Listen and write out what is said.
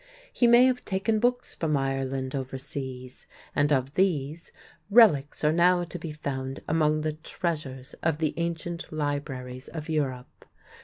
He may have taken books from Ireland over seas, and, of these, relics are now to be found among the treasures of the ancient libraries of Europe.